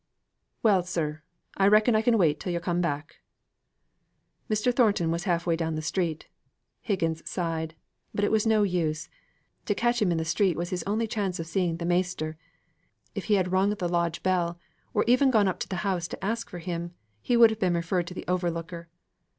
"Well, sir, I reckon I can wait till yo' come back." Mr. Thornton was half way down the street. Higgins sighed. But it was no use. To catch him in the street, was his only chance of seeing "the measter!" if he had rung the lodge bell or even gone up to the house to ask for him, he would have been referred to the overlooker.